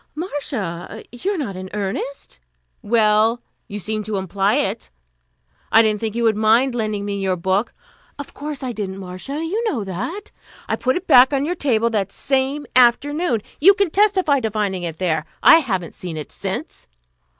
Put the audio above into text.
"Marcia! You are not in earnest?" "Well, you seemed to imply it. I didn't think you would mind lending me your book " "Of course I didn't, Marcia. You know that." "I put it back on your table that same afternoon. You can testify to finding it there. I haven't seen it since."